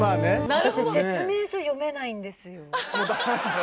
私説明書読めないんですよ。